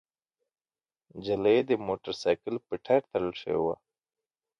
نجلۍ د موټرسايکل په ټاير تړل شوې وه.